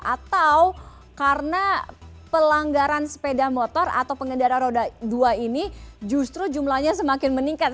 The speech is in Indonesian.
atau karena pelanggaran sepeda motor atau pengendara roda dua ini justru jumlahnya semakin meningkat